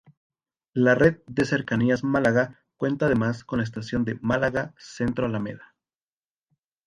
La red de Cercanías Málaga cuenta además con la estación de Málaga-Centro-Alameda.